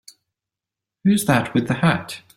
Who's that with the hat?